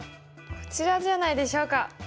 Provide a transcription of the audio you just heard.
こちらじゃないでしょうか。